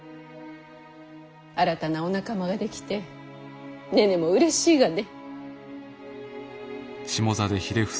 新たなお仲間が出来て寧々もうれしいがね。